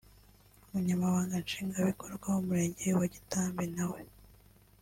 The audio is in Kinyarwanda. Umunyamabanga Nshingwabikorwa w’Umurenge wa Gitambi na we